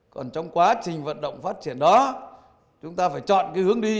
còn trong quá trình vận động phát triển đó chúng ta phải chọn cái hướng đi